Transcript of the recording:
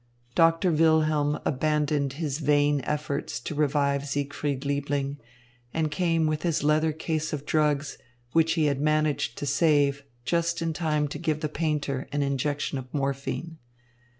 Doctor Wilhelm abandoned his vain efforts to revive Siegfried Liebling and came with his leather case of drugs, which he had managed to save, just in time to give the painter an injection of morphine.